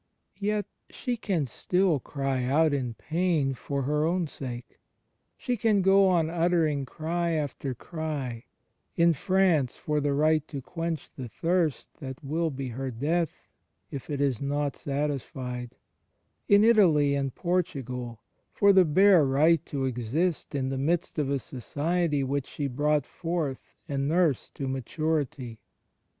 Yet she can still cry out in pain far her own sake. She can go on uttering cry after cry — in France, for the right to quench the thirst that will be her death if it is not satisfied; in Italy and Portugal, for the bare right to exist in the midst of a society which she brought forth and nursed to maturity.